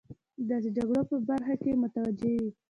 د داسې جګړو په برخه کې متوجه وي.